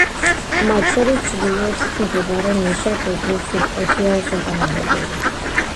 მათ შორის ჩრდილოეთით მდებარე ნიშა კედლის სიბრტყეშია შეღრმავებული.